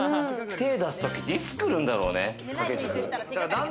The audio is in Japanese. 手出すときっていつ来るんだろうね。